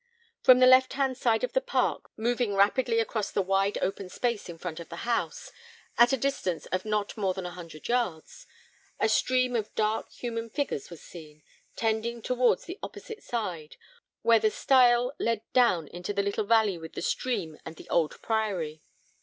From the left hand side of the park, moving rapidly across the wide open space in front of the house, at a distance of not more than a hundred yards, a stream of dark human figures was seen, tending towards the opposite side, where the stile led down into the little valley with the stream and the old priory.